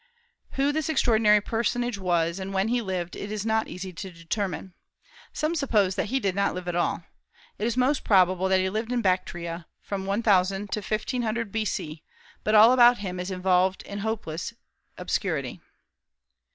Who this extraordinary personage was, and when he lived, it is not easy to determine. Some suppose that he did not live at all. It is most probable that he lived in Bactria from 1000 to 1500 B.C.; but all about him is involved in hopeless obscurity.